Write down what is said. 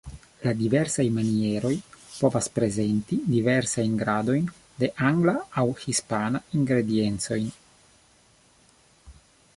La diversaj manieroj povas prezenti diversajn gradojn de angla aŭ hispana ingrediencoj.